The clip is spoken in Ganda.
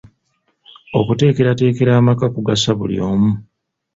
Okuteekerateekera amaka kugasa buli omu.